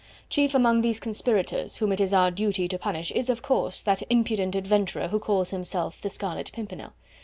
Chief among these conspirators, whom it is our duty to punish is, of course, that impudent adventurer who calls himself the Scarlet Pimpernel.